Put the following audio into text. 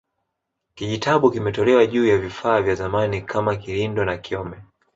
Kijitabu kimetolewa juu ya vifaa vya zamani kama kirindo na kyome